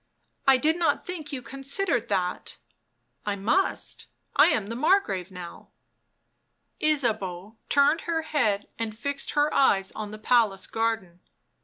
I did not think you considered that." " I must. I am the Margrave now." Ysabeau turned her head and fixed her eyes on the palace garden.